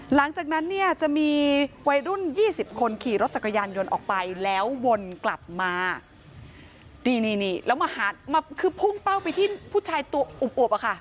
หลังจากนั้นเนี่ยจะมีวัยรุ่นยี่สิบคนขี่รถจักรยานยนต์ออกไปแล้ววนกลับมานี่นี่แล้วมาหามาคือพุ่งเป้าไปที่ผู้ชายตัวอวบอะค่ะ